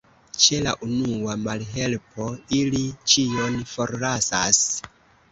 Ĉe la unua malhelpo, ili ĉion forlasas.